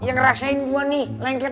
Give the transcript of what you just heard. yang ngerasain gue nih lengket